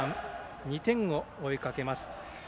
２点を追いかけます。